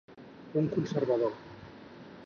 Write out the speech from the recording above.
Un conservador.